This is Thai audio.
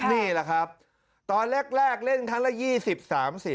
นี่แหละครับตอนแรกเล่นครั้งละ๒๐๓๐